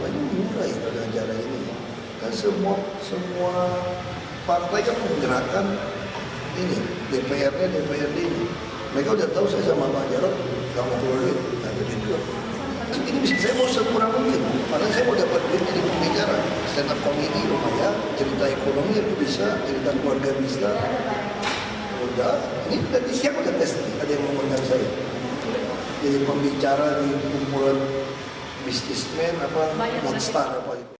jadi membicara di kumpulan biskis men apa non star apa itu